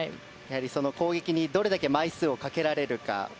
攻撃にどれだけ枚数をかけられるか。